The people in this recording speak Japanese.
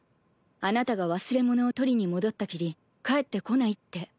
あなたが忘れ物を取りに戻ったきり帰って来ないって。